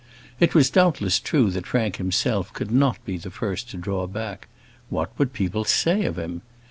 It was doubtless true that Frank himself could not be the first to draw back. What would people say of him?